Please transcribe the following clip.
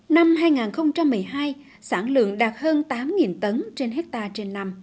năm hai nghìn một mươi hai sản lượng đạt hơn tám tấn trên hectare trên năm